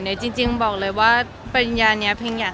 ดีใจมากค่ะก็ได้ปริญญาบัตรมาแล้ว